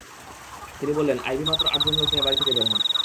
তিনি বললেন, আইভী মাত্র আটজন লোক নিয়ে বাড়ি থেকে বের হন।